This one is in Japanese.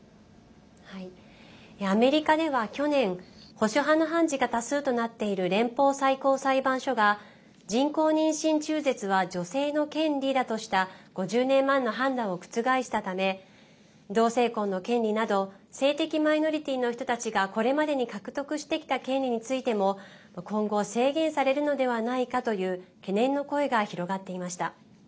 アメリカでは去年保守派の判事が多数となっている連邦最高裁判所が人工妊娠中絶は女性の権利だとした５０年前の判断を覆したため同性婚の権利など性的マイノリティーの人たちがこれまでに獲得してきた権利についても今後、制限されるのではないかという懸念の声が広がっていました。